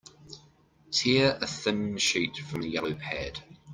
Tear a thin sheet from the yellow pad.